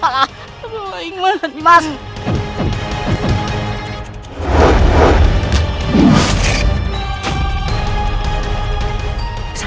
aduh ingin banget mas